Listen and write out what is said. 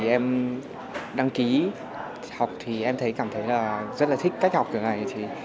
em đăng ký học thì em thấy cảm thấy rất là thích cách học kiểu này